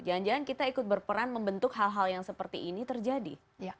jangan jangan kita ikut berperan membentuk hal hal yang seperti ini terjadi